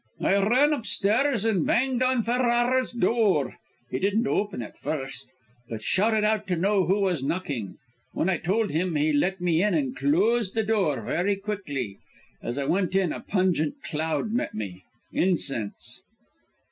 "I ran upstairs and banged on Ferrara's door. He didn't open at first, but shouted out to know who was knocking. When I told him, he let me in, and closed the door very quickly. As I went in, a pungent cloud met me incense."